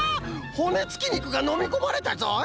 ほねつきにくがのみこまれたぞい！